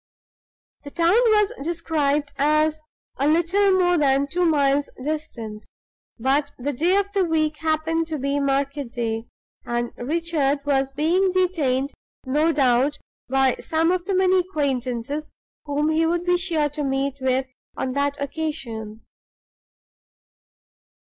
The town was described as little more than two miles distant; but the day of the week happened to be market day, and Richard was being detained no doubt by some of the many acquaintances whom he would be sure to meet with on that occasion.